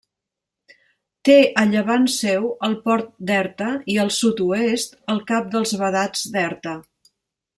Té a llevant seu el Port d'Erta, i al sud-oest el Cap dels Vedats d'Erta.